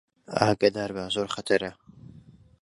ئاگادار بە، زۆر خەتەرە